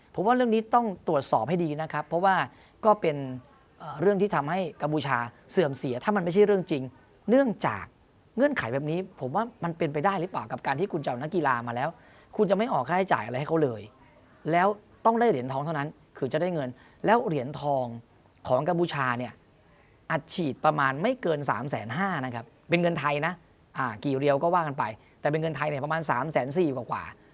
เป็นเรื่องที่ทำให้กบูชาเสื่อมเสียถ้ามันไม่ใช่เรื่องจริงเนื่องจากเงื่อนไขแบบนี้ผมว่ามันเป็นไปได้หรือเปล่ากับการที่คุณจะเอานักกีฬามาแล้วคุณจะไม่ออกค่าใช้จ่ายอะไรให้เขาเลยแล้วต้องได้เหรียญทองเท่านั้นคือจะได้เงินแล้วเหรียญทองของกบูชาเนี่ยอัดฉีดประมาณไม่เกิน๓แสน๕นะครับเป็นเงินไทยนะกี่เดียวก็ว่าก